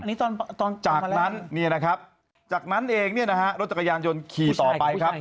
อันนี้ตอนมาแรกนี่นะครับจากนั้นเองรถจักรยานยนต์ขี่ต่อไปครับ